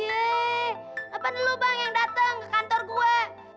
yee apa lo bang yang dateng ke kantor gue